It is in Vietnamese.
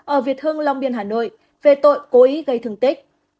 ở việt hưng long biên hà nội về tội cố ý gây thương tích